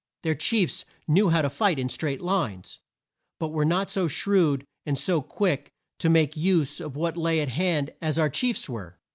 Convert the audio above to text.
Their chiefs knew how to fight in straight lines, but were not so shrewd and so quick to make use of what lay at hand as our chiefs were.